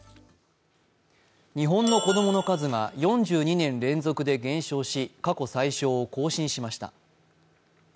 日本の子供の数が４２年連続で減少し、過去最少を更新しました。